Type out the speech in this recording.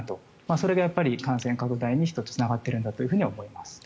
それが感染拡大に１つつながってるんだと思います。